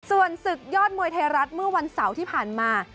ส่วนศึกยอดมวยไทยรัฐเมื่อวันเสาร์ที่ผ่านมา